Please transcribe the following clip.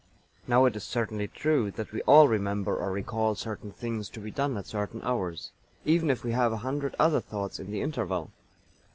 Now it is certainly true that we all remember or recall certain things to be done at certain hours, even if we have a hundred other thoughts in the interval.